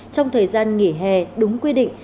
trong thời gian nghỉ hè đúng quy định